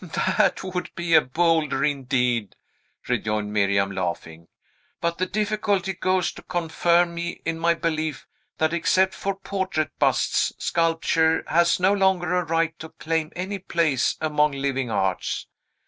"That would be a boulder, indeed!" rejoined Miriam, laughing. "But the difficulty goes to confirm me in my belief that, except for portrait busts, sculpture has no longer a right to claim any place among living arts.